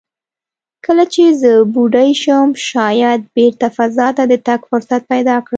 کله چې زه بوډۍ شم، شاید بېرته فضا ته د تګ فرصت پیدا کړم."